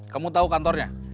kamu tahu kantornya